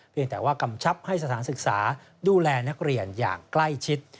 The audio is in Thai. แต่ว่ากำชับให้สถานศึกษาดูแลนักเรียนอย่างใกล้ชิด